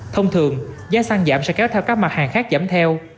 thông thường giá xăng giảm sẽ kéo theo các mặt hàng khác giảm theo